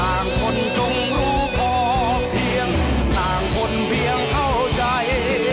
คนจงรู้พอเพียงต่างคนเพียงเข้าใจ